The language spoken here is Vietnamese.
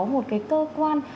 một cái cơ quan